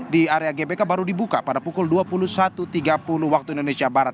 di area gbk baru dibuka pada pukul dua puluh satu tiga puluh waktu indonesia barat